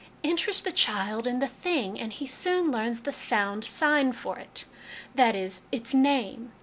Interest the child in the thing, and he soon learns the sound sign for it that is, its name.